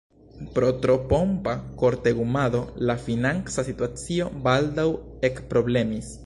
Pro tro pompa kortegumado la financa situacio baldaŭ ekproblemis.